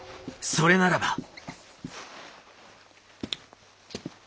それならば。